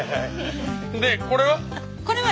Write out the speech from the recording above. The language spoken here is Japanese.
でこれは？